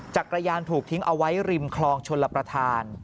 จักรยานถูกทิ้งเอาไว้ริมคลองชลประธาน